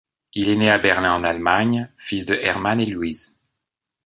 Il est né à Berlin en Allemagne, fils de Herman et Luise.